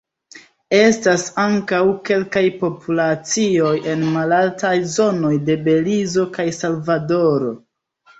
Estas ankaŭ kelkaj populacioj en malaltaj zonoj de Belizo kaj Salvadoro.